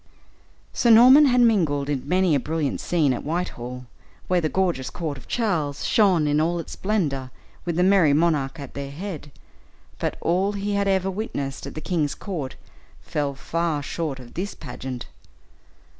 Sir Norman had mingled in many a brilliant scene at Whitehall, where the gorgeous court of Charles shone in all its splendor, with the "merry monarch" at their head, but all he had ever witnessed at the king's court fell far short of this pageant.